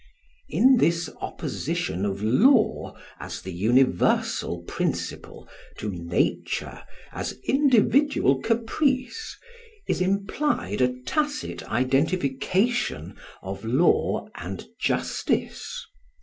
] In this opposition of Law, as the universal principle, to Nature, as individual caprice, is implied a tacit identification of Law and Justice.